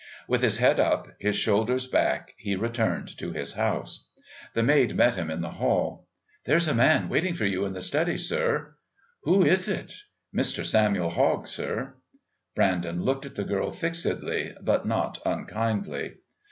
With his head up, his shoulders back, he returned to his house. The maid met him in the hall. "There's a man waiting for you in the study, sir." "Who is it?" "Mr. Samuel Hogg, sir." Brandon looked at the girl fixedly, but not unkindly.